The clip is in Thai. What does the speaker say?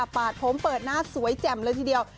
ผมเปิดหน้าสวยแจ่มเลยทีเดียว